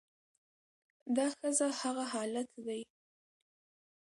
دا ښځه هغه حالت دى